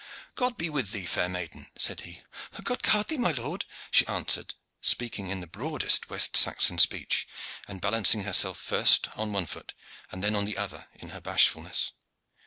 "God be with thee, fair maiden!" said he. "God guard thee, my lord!" she answered, speaking in the broadest West Saxon speech, and balancing herself first on one foot and then on the other in her bashfulness.